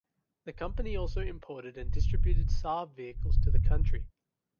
The company also imported and distributed Saab vehicles to the country.